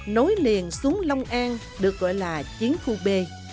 nối liền xuống lòng an được gọi là chiến khu b